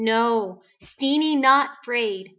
"No. Steenie not 'fraid.